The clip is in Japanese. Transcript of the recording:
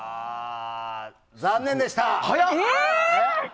残念でした！